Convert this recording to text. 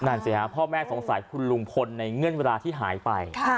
สิฮะพ่อแม่สงสัยคุณลุงพลในเงื่อนเวลาที่หายไป